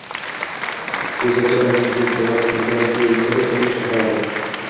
ko‘zachada muzdek buloq suvidan keltirib uni sug‘ordi.